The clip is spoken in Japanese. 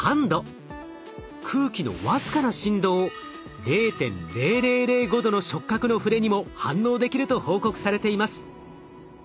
空気の僅かな振動０．０００５度の触角のふれにも反応できると報告されています。